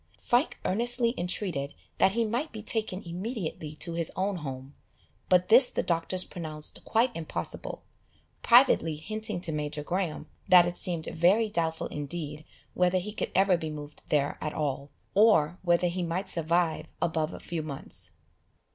Frank earnestly entreated that he might be taken immediately to his own home, but this the doctors pronounced quite impossible, privately hinting to Major Graham that it seemed very doubtful indeed whether he could ever be moved there at all, or whether he might survive above a few months.